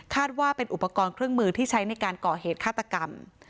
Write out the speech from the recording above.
ว่าเป็นอุปกรณ์เครื่องมือที่ใช้ในการก่อเหตุฆาตกรรม